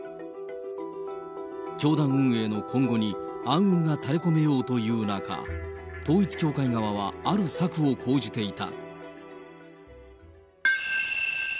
教団運営の今後に暗雲がたれこめようという中、統一教会側はある策を講じていた。